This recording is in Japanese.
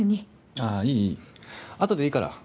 あっいいいい後でいいから。